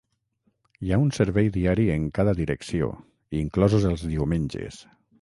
Hi ha un servei diari en cada direcció, inclosos els diumenges.